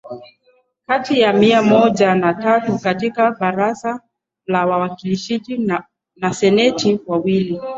kati ya mia moja na tatu katika Baraza la Wawakilishi na Seneti wawili